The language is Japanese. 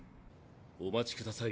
お待ちください